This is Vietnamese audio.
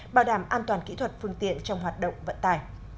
bảo đảm an toàn kỹ thuật phương tiện trong hoạt động vận tải